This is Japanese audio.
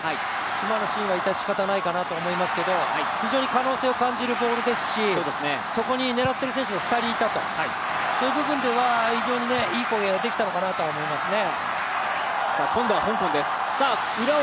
今のシーンは致し方ないかなと思いますけど非常に可能性を感じるボールですし、そこに狙っている選手が２人いたとそういう部分では、非常にいい攻撃ができたのかなと思いますね。